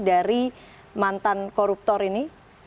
dari mantan koruptor ini